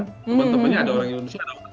teman temannya ada orang indonesia dan orang kasih